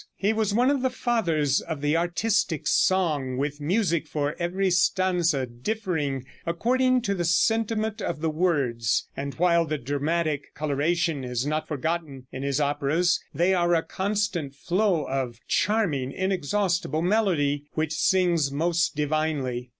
He was one of the fathers of the artistic song, with music for every stanza differing according to the sentiment of the words; and while the dramatic coloration is not forgotten in his operas, they are a constant flow of charming, inexhaustible melody, which sings most divinely.